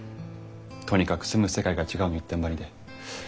とにかく住む世界が違うの一点張りで。